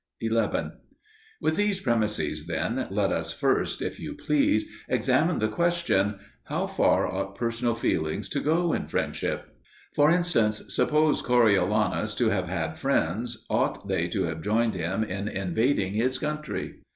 11. With these premises, then, let us first, if you please, examine the question how far ought personal feeling to go in friendship? For instance: suppose Coriolanus to have had friends, ought they to have joined him in invading his country?